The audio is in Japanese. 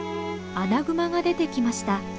アナグマが出てきました。